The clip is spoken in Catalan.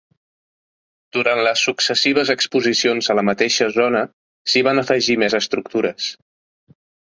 Durant les successives exposicions a la mateixa zona, s'hi van afegir més estructures.